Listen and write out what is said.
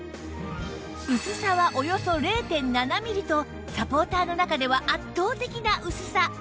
薄さはおよそ ０．７ ミリとサポーターの中では圧倒的な薄さ